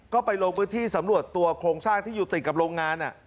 ก็ไปลงพื้นที่สำรวจตัวโครงสร้างที่อยู่ติดกับโรงงาน